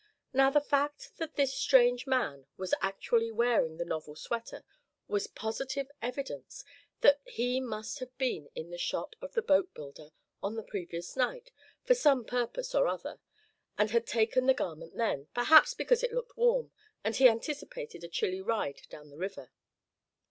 Now the fact that this strange man was actually wearing the novel sweater was positive evidence that he must have been in the shop of the boat builder on the previous night, for some purpose or other, and had taken the garment then, perhaps because it looked warm, and he anticipated a chilly ride down the river.